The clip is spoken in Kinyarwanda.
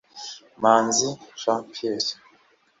Manzi Jean Pierre